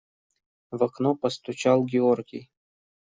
В окно постучал Георгий.